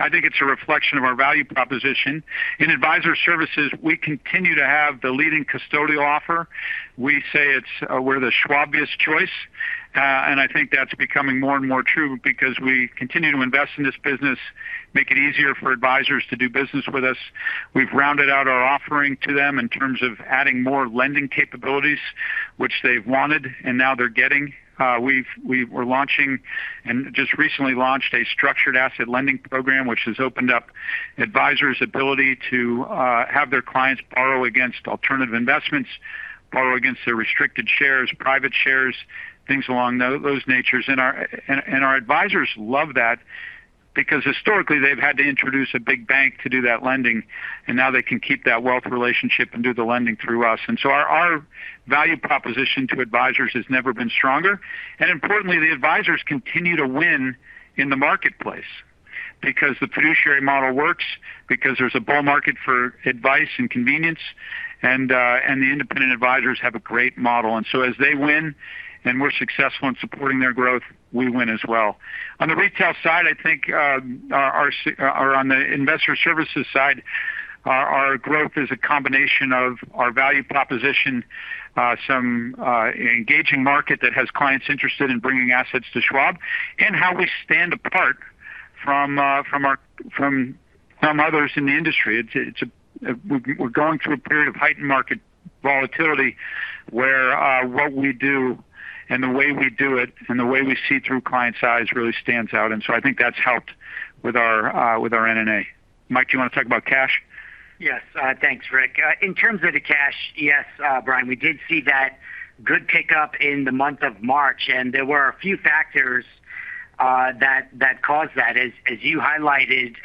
I think it's a reflection of our value proposition. In Advisor Services, we continue to have the leading custodial offer. We say we're the Schwabiest choice, and I think that's becoming more and more true because we continue to invest in this business, make it easier for advisors to do business with us. We've rounded out our offering to them in terms of adding more lending capabilities, which they've wanted and now they're getting. We're launching and just recently launched a structured asset lending program, which has opened up advisors' ability to have their clients borrow against alternative investments, borrow against their restricted shares, private shares, things of that nature. Our advisors love that because historically, they've had to introduce a big bank to do that lending, and now they can keep that wealth relationship and do the lending through us. Our value proposition to advisors has never been stronger. Importantly, the advisors continue to win in the marketplace. Because the fiduciary model works, because there's a bull market for advice and convenience, and the independent advisors have a great model. As they win and we're successful in supporting their growth, we win as well. On the retail side, I think, or on the investor services side, our growth is a combination of our value proposition, some engaging market that has clients interested in bringing assets to Schwab, and how we stand apart from some others in the industry. We're going through a period of heightened market volatility where what we do and the way we do it and the way we see through clients' eyes really stands out, and I think that's helped with our NNA. Mike, do you want to talk about cash? Yes. Thanks, Rick. In terms of the cash, yes, Brian, we did see that good pickup in the month of March, and there were a few factors that caused that. As you highlighted,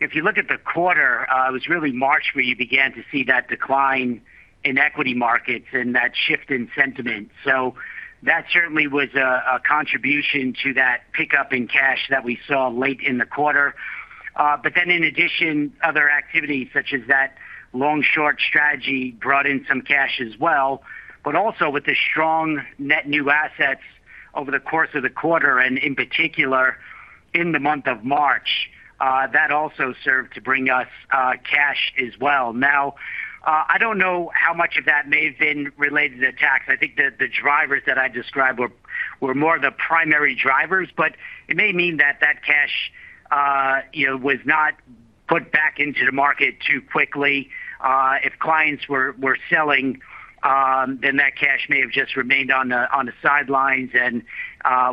if you look at the quarter, it was really March where you began to see that decline in equity markets and that shift in sentiment. That certainly was a contribution to that pickup in cash that we saw late in the quarter. In addition, other activities such as that long-short strategy brought in some cash as well, but also with the strong net new assets over the course of the quarter and in particular in the month of March, that also served to bring us cash as well. Now, I don't know how much of that may have been related to tax. I think the drivers that I described were more the primary drivers, but it may mean that cash was not put back into the market too quickly. If clients were selling, then that cash may have just remained on the sidelines and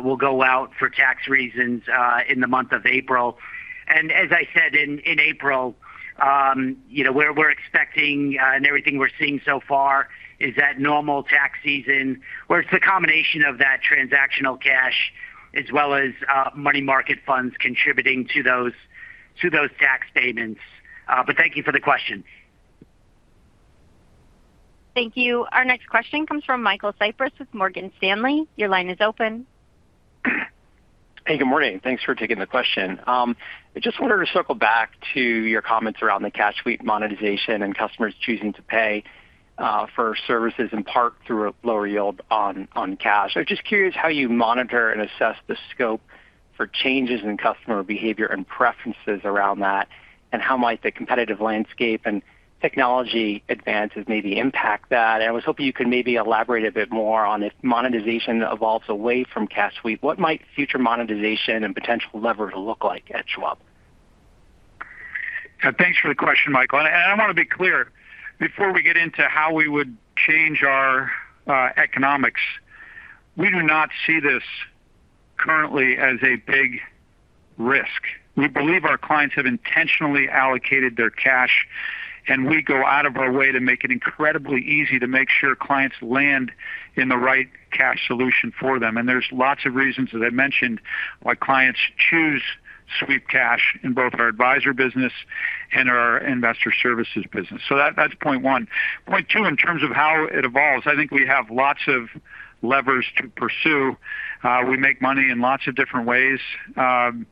will go out for tax reasons in the month of April. As I said, in April, we're expecting and everything we're seeing so far is that normal tax season, where it's the combination of that transactional cash as well as money market funds contributing to those tax statements. Thank you for the question. Thank you. Our next question comes from Michael Cyprys with Morgan Stanley. Your line is open. Hey, good morning. Thanks for taking the question. I just wanted to circle back to your comments around the cash sweep monetization and customers choosing to pay for services in part through a lower yield on cash. I was just curious how you monitor and assess the scope for changes in customer behavior and preferences around that, and how might the competitive landscape and technology advances maybe impact that? I was hoping you could maybe elaborate a bit more on if monetization evolves away from cash sweep. What might future monetization and potential levers look like at Schwab? Thanks for the question, Michael, and I want to be clear before we get into how we would change our economics. We do not see this currently as a big risk. We believe our clients have intentionally allocated their cash, and we go out of our way to make it incredibly easy to make sure clients land in the right cash solution for them. There's lots of reasons, as I mentioned, why clients choose sweep cash in both our advisor business and our investor services business. That's point one. Point two, in terms of how it evolves, I think we have lots of levers to pursue. We make money in lots of different ways, and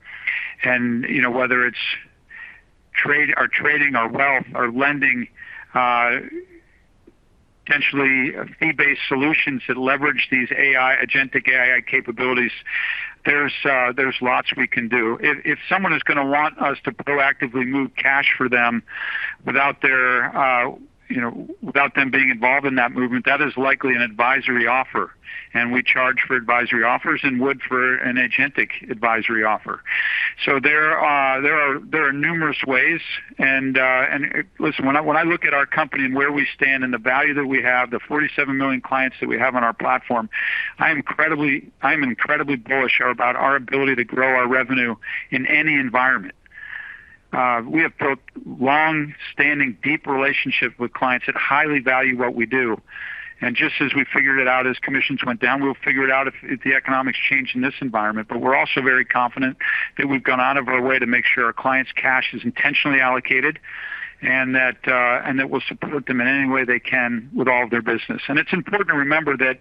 whether it's our trading, our wealth, our lending, potentially fee-based solutions that leverage these agentic AI capabilities, there's lots we can do. If someone is going to want us to proactively move cash for them without them being involved in that movement, that is likely an advisory offer, and we charge for advisory offers and would for an agentic advisory offer. There are numerous ways, and listen, when I look at our company and where we stand and the value that we have, the 47 million clients that we have on our platform, I'm incredibly bullish about our ability to grow our revenue in any environment. We have built long-standing, deep relationships with clients that highly value what we do. Just as we figured it out as commissions went down, we'll figure it out if the economics change in this environment. We're also very confident that we've gone out of our way to make sure our clients' cash is intentionally allocated and that we'll support them in any way they can with all of their business. It's important to remember that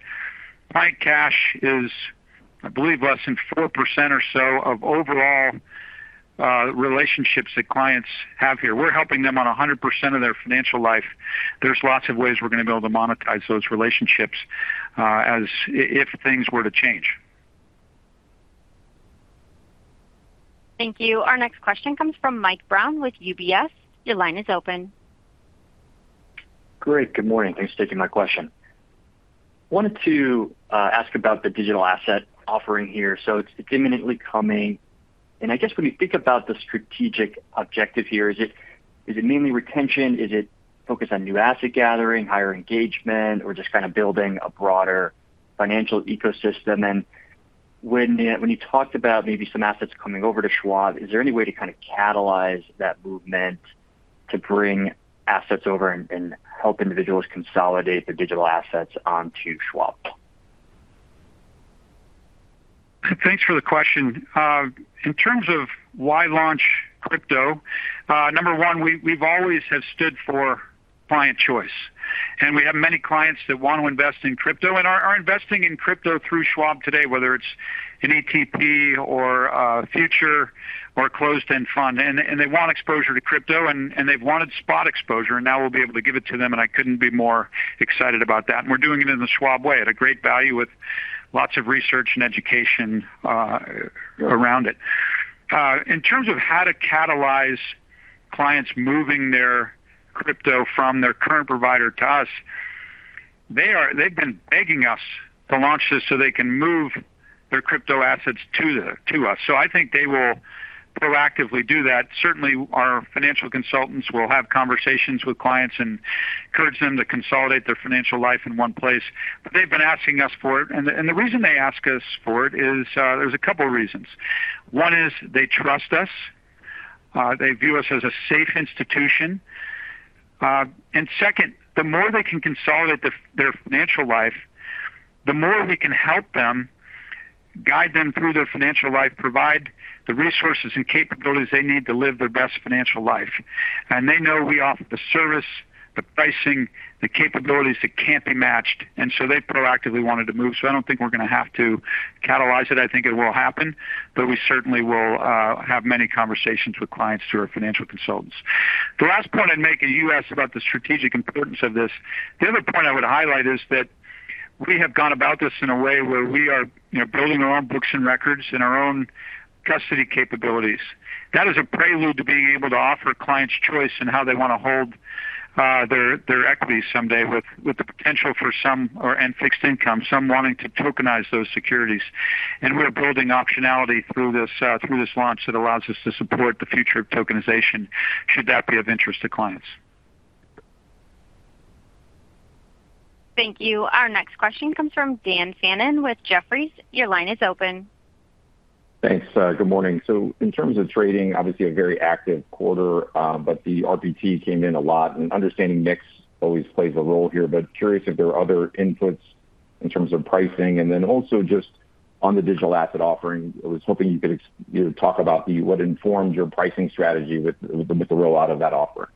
client cash is, I believe, less than 4% or so of overall relationships that clients have here. We're helping them on 100% of their financial life. There's lots of ways we're going to be able to monetize those relationships if things were to change. Thank you. Our next question comes from Michael Brown with UBS. Your line is open. Great. Good morning. Thanks for taking my question. Wanted to ask about the digital asset offering here. So it's imminently coming, and I guess when you think about the strategic objective here, is it mainly retention? Is it focused on new asset gathering, higher engagement, or just kind of building a broader financial ecosystem? Then when you talked about maybe some assets coming over to Schwab, is there any way to kind of catalyze that movement to bring assets over and help individuals consolidate their digital assets onto Schwab? Thanks for the question. In terms of why launch crypto. Number one, we always have stood for client choice, and we have many clients that want to invest in crypto and are investing in crypto through Schwab today, whether it's an ETP or a futures or a closed-end fund. They want exposure to crypto and they've wanted spot exposure, and now we'll be able to give it to them, and I couldn't be more excited about that. We're doing it in the Schwab way at a great value with lots of research and education around it. In terms of how to catalyze clients moving their crypto from their current provider to us, they've been begging us to launch this so they can move their crypto assets to us. I think they will proactively do that. Certainly, our financial consultants will have conversations with clients and encourage them to consolidate their financial life in one place. They've been asking us for it, and the reason they ask us for it is, there's a couple of reasons. One is they trust us. They view us as a safe institution. Second, the more they can consolidate their financial life, the more we can help them, guide them through their financial life, provide the resources and capabilities they need to live their best financial life. They know we offer the service, the pricing, the capabilities that can't be matched, and so they proactively wanted to move. I don't think we're going to have to catalyze it. I think it will happen, but we certainly will have many conversations with clients through our financial consultants. The last point I'd make, and you asked about the strategic importance of this. The other point I would highlight is that we have gone about this in a way where we are building our own books and records and our own custody capabilities. That is a prelude to being able to offer clients choice in how they want to hold their equities someday with the potential for some, and fixed income, some wanting to tokenize those securities. We're building optionality through this launch that allows us to support the future of tokenization should that be of interest to clients. Thank you. Our next question comes from Daniel Fannon with Jefferies. Your line is open. Thanks. Good morning. In terms of trading, obviously a very active quarter, but the RPT came in a lot, and understanding mix always plays a role here, but curious if there are other inputs in terms of pricing, and then also just on the digital asset offering, I was hoping you could talk about what informed your pricing strategy with the rollout of that offer.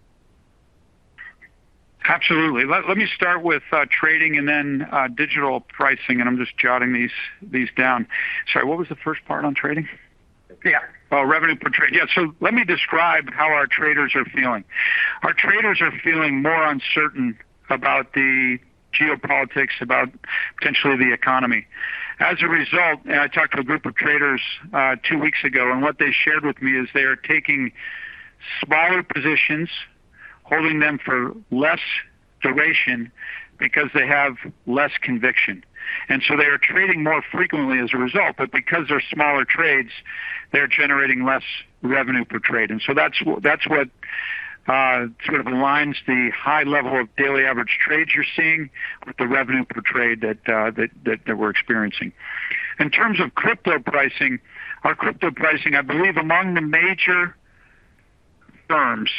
Absolutely. Let me start with trading and then digital pricing, and I'm just jotting these down. Sorry, what was the first part on trading? [RP]. Oh, revenue per trade. Yeah. Let me describe how our traders are feeling. Our traders are feeling more uncertain about the geopolitics, about potentially the economy. As a result, I talked to a group of traders two weeks ago, and what they shared with me is they are taking smaller positions, holding them for less duration because they have less conviction. They are trading more frequently as a result, but because they're smaller trades, they're generating less revenue per trade. That's what sort of aligns the high level of daily average trades you're seeing with the revenue per trade that we're experiencing. In terms of crypto pricing, our crypto pricing, I believe among the major firms,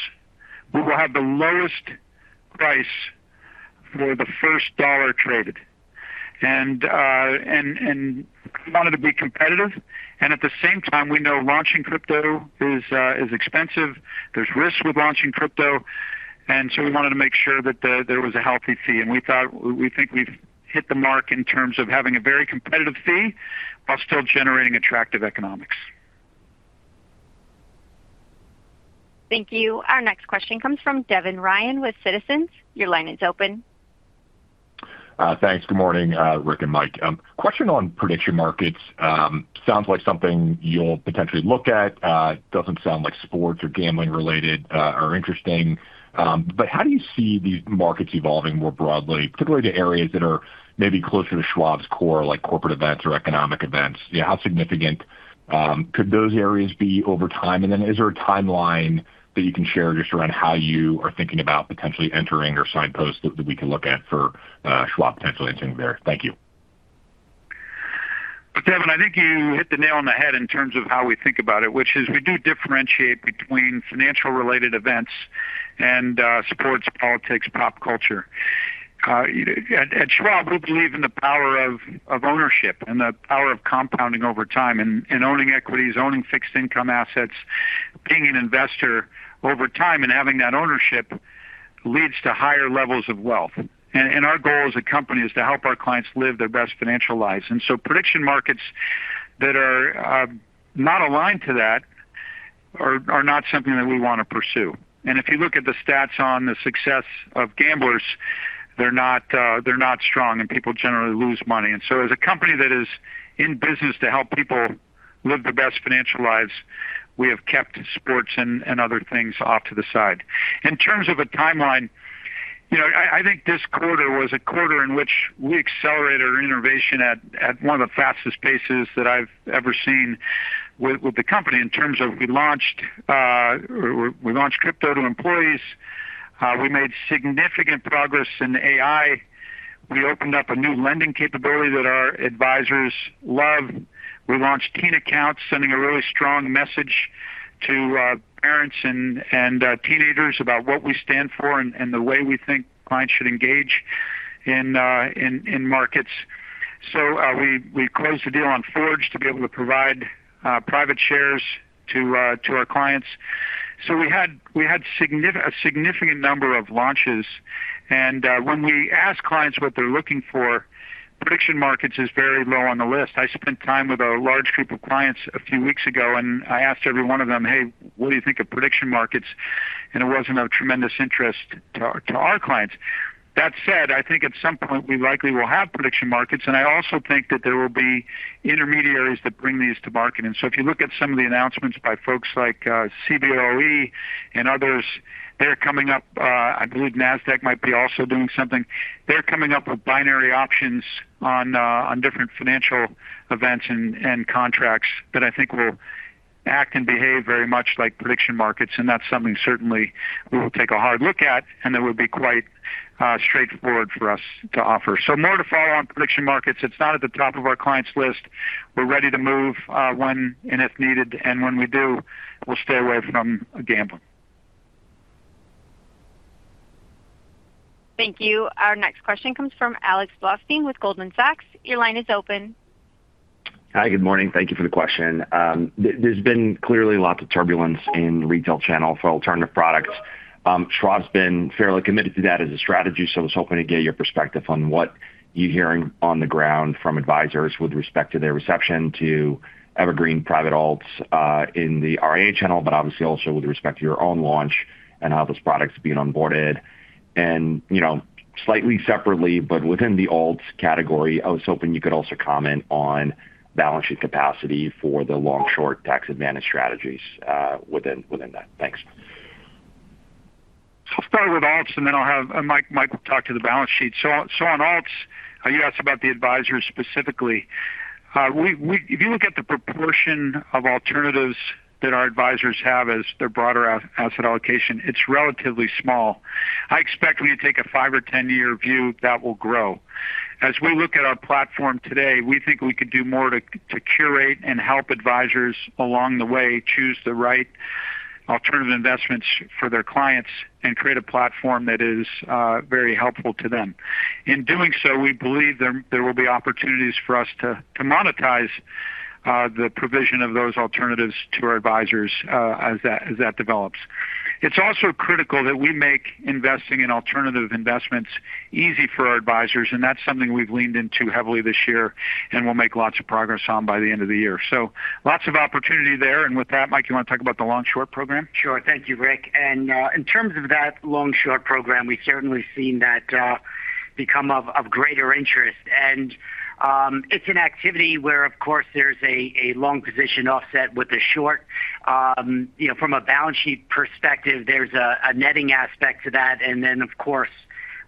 we will have the lowest price for the first dollar traded. We wanted to be competitive, and at the same time, we know launching crypto is expensive. There's risks with launching crypto. We wanted to make sure that there was a healthy fee. We think we've hit the mark in terms of having a very competitive fee while still generating attractive economics. Thank you. Our next question comes from Devin Ryan with Citizens. Your line is open. Thanks. Good morning, Rick and Mike. Question on prediction markets. Sounds like something you'll potentially look at. Doesn't sound like sports or gambling related are interesting. How do you see these markets evolving more broadly, particularly to areas that are maybe closer to Schwab's core, like corporate events or economic events? How significant could those areas be over time? Is there a timeline that you can share just around how you are thinking about potentially entering or signposts that we can look at for Schwab potentially entering there? Thank you. Devin, I think you hit the nail on the head in terms of how we think about it, which is we do differentiate between financial related events and sports, politics, pop culture. At Schwab, we believe in the power of ownership and the power of compounding over time and owning equities, owning fixed income assets. Being an investor over time and having that ownership leads to higher levels of wealth. Our goal as a company is to help our clients live their best financial lives. Prediction markets that are not aligned to that are not something that we want to pursue. If you look at the stats on the success of gamblers, they're not strong and people generally lose money. As a company that is in business to help people live their best financial lives, we have kept sports and other things off to the side. In terms of a timeline, I think this quarter was a quarter in which we accelerated our innovation at one of the fastest paces that I've ever seen with the company in terms of we launched crypto to employees. We made significant progress in AI. We opened up a new lending capability that our advisors love. We launched teen accounts, sending a really strong message to parents and teenagers about what we stand for and the way we think clients should engage in markets. We closed the deal on Forge to be able to provide private shares to our clients. We had a significant number of launches, and when we ask clients what they're looking for, prediction markets is very low on the list. I spent time with a large group of clients a few weeks ago, and I asked every one of them, "Hey, what do you think of prediction markets?" It wasn't of tremendous interest to our clients. That said, I think at some point we likely will have prediction markets, and I also think that there will be intermediaries that bring these to market. If you look at some of the announcements by folks like CBOE and others, they're coming up. I believe Nasdaq might be also doing something. They're coming up with binary options on different financial events and contracts that I think will act and behave very much like prediction markets, and that's something certainly we will take a hard look at, and that will be quite straightforward for us to offer. More to follow on prediction markets. It's not at the top of our clients list. We're ready to move, when and if needed, and when we do, we'll stay away from gambling. Thank you. Our next question comes from Alex Blostein with Goldman Sachs. Your line is open. Hi, good morning. Thank you for the question. There's been clearly lots of turbulence in retail channel for alternative products. Schwab's been fairly committed to that as a strategy, so I was hoping to get your perspective on what you're hearing on the ground from advisors with respect to their reception to evergreen private alts in the RIA channel, but obviously also with respect to your own launch and how those products are being onboarded. Slightly separately, but within the alts category, I was hoping you could also comment on balance sheet capacity for the long-short tax advantage strategies within that. Thanks. I'll start with alts and then Mike will talk to the balance sheet. On alts, you asked about the advisors specifically. If you look at the proportion of alternatives that our advisors have as their broader asset allocation, it's relatively small. I expect when you take a five- or 10-year view, that will grow. As we look at our platform today, we think we could do more to curate and help advisors along the way choose the right alternative investments for their clients and create a platform that is very helpful to them. In doing so, we believe there will be opportunities for us to monetize the provision of those alternatives to our advisors as that develops. It's also critical that we make investing in alternative investments easy for our advisors, and that's something we've leaned into heavily this year and will make lots of progress on by the end of the year. Lots of opportunity there. With that, Mike, you want to talk about the long-short program? Sure. Thank you, Rick. In terms of that long-short program, we've certainly seen that become of greater interest. It's an activity where, of course, there's a long position offset with a short. From a balance sheet perspective, there's a netting aspect to that, and then, of course,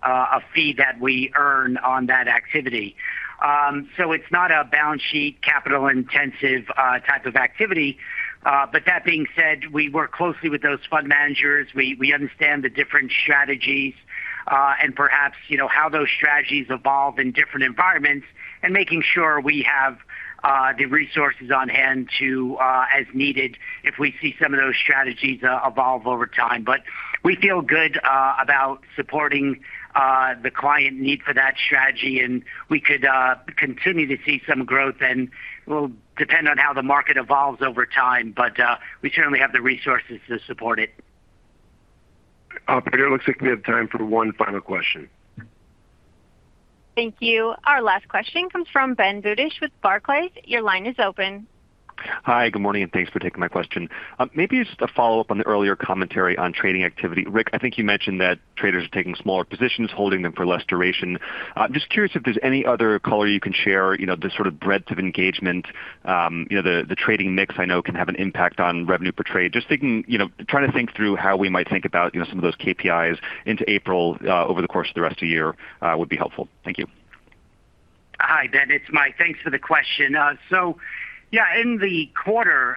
a fee that we earn on that activity. It's not a balance sheet, capital-intensive type of activity. That being said, we work closely with those fund managers. We understand the different strategies, and perhaps how those strategies evolve in different environments and making sure we have the resources on hand to, as needed, if we see some of those strategies evolve over time. We feel good about supporting the client need for that strategy, and we could continue to see some growth and will depend on how the market evolves over time. We certainly have the resources to support it. Operator, looks like we have time for one final question. Thank you. Our last question comes from Ben Budish with Barclays. Your line is open. Hi, good morning, and thanks for taking my question. Maybe just a follow-up on the earlier commentary on trading activity. Rick, I think you mentioned that traders are taking smaller positions, holding them for less duration. Just curious if there's any other color you can share, the sort of breadth of engagement. The trading mix I know can have an impact on revenue per trade. Just trying to think through how we might think about some of those KPIs into April, over the course of the rest of the year, would be helpful. Thank you. Hi, Ben, it's Mike. Thanks for the question. Yeah, in the quarter,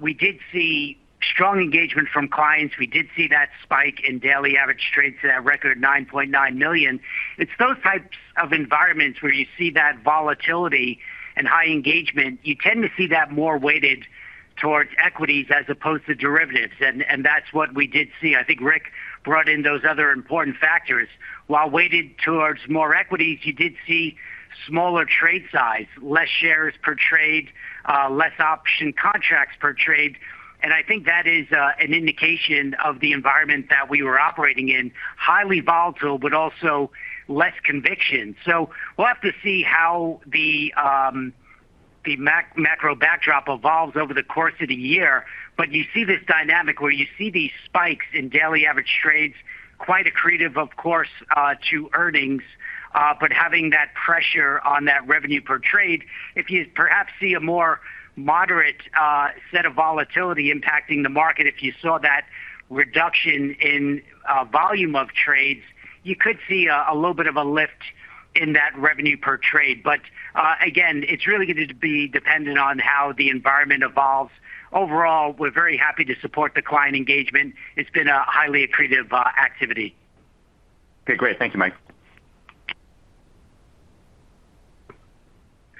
we did see strong engagement from clients. We did see that spike in daily average trades to that record 9.9 million. It's those types of environments where you see that volatility and high engagement, you tend to see that more weighted towards equities as opposed to derivatives, and that's what we did see. I think Rick brought in those other important factors. While weighted towards more equities, you did see smaller trade size, less shares per trade, less option contracts per trade, and I think that is an indication of the environment that we were operating in, highly volatile, but also less conviction. We'll have to see how the macro backdrop evolves over the course of the year. You see this dynamic where you see these spikes in daily average trades, quite accretive, of course, to earnings. Having that pressure on that revenue per trade, if you perhaps see a more moderate set of volatility impacting the market, if you saw that reduction in volume of trades, you could see a little bit of a lift in that revenue per trade. Again, it's really going to be dependent on how the environment evolves. Overall, we're very happy to support the client engagement. It's been a highly accretive activity. Okay, great. Thank you, Mike.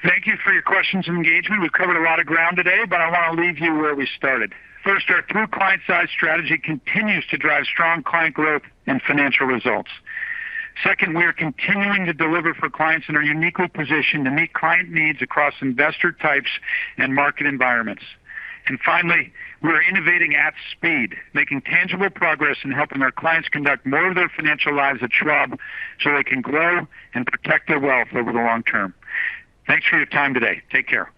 Thank you for your questions and engagement. We've covered a lot of ground today, but I want to leave you where we started. First, our through-client-side strategy continues to drive strong client growth and financial results. Second, we are continuing to deliver for clients and are uniquely positioned to meet client needs across investor types and market environments. Finally, we are innovating at speed, making tangible progress in helping our clients conduct more of their financial lives at Schwab so they can grow and protect their wealth over the long term. Thanks for your time today. Take care.